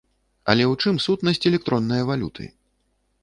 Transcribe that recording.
Але ў чым сутнасць электроннае валюты?